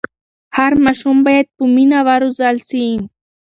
هر ماشوم باید په مینه وروزل سي.